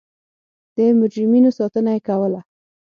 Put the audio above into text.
د مجرمینو ساتنه یې کوله.